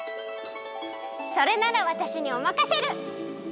それならわたしにおまかシェル！